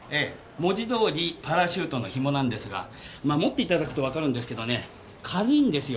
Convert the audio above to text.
文字どおりパラシュートの紐なんですが持って頂くとわかるんですけどね軽いんですよ。